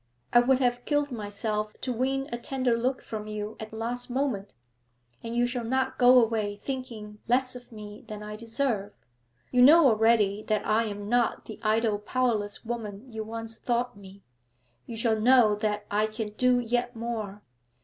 I would have killed myself to win a tender look from you at the last moment, and you shall not go away thinking less of me than I deserve. You know already that I am not the idle powerless woman you once thought me; you shall know that I can do yet more.